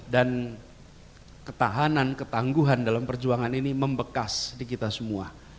dan ketahanan ketangguhan dalam perjuangan ini membekas di kita semua